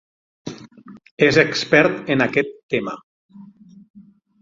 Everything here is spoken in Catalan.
És expert en aquest tema.